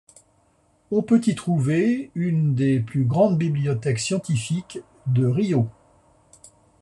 On peut y trouver une des plus grandes bibliothèques scientifiques de Rio.